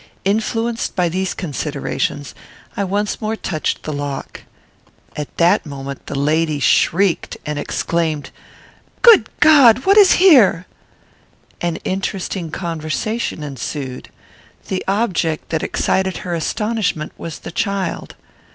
Influenced by these considerations, I once more touched the lock. At that moment the lady shrieked, and exclaimed, "Good God! What is here?" An interesting conversation ensued. The object that excited her astonishment was the child.